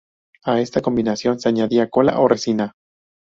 A esta combinación se añadía cola o resina.